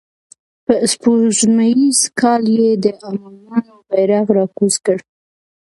په سپوږمیز کال یې د امویانو بیرغ را کوز کړ.